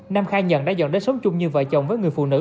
nam khai nhận đã dẫn đến sống chung như vợ chồng với người phụ nữ